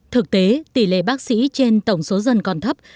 thực tế tỷ lệ bác sĩ trên tổng số dân còn thấp